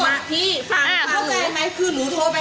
ผมว่าแต่หลักหวกนี่มันพูดดี